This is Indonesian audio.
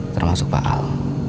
termasuk pak al